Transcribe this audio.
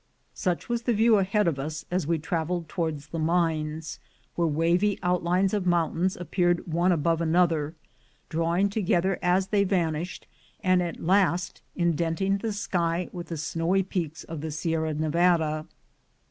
Such was the view ahead of us as we traveled towards the mines, where wavy outlines of mountains appeared one above another, drawing together as they vanished, and at last indenting the sky with the snowy peaks of the Sierra Nevada.